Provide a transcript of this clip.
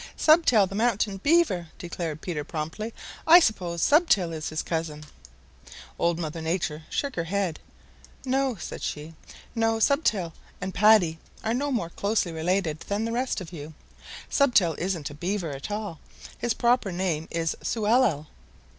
"Stubtail the Mountain Beaver," declared Peter promptly. "I suppose Stubtail is his cousin." Old Mother Nature shook her head. "No," said she. "No. Stubtail and Paddy are no more closely related than the rest of you. Stubtail isn't a Beaver at all. His proper name is Sewellel.